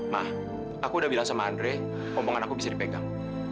nah aku udah bilang sama andre omongan aku bisa dipegang